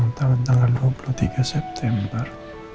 nanti dulu tanggal dua puluh tiga september